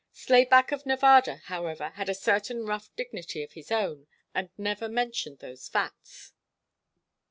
Slayback of Nevada, however, had a certain rough dignity of his own, and never mentioned those facts.